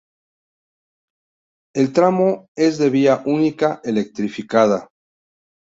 El tramo es de vía única electrificada.